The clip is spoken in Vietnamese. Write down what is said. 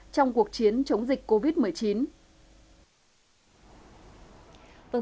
trong cuộc chiến chống dịch covid một mươi chín